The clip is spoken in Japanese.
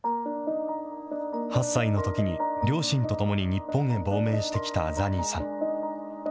８歳のときに両親と共に日本に亡命してきたザニーさん。